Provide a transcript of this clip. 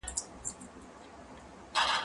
زه اجازه لرم چي کتاب وليکم؟!؟!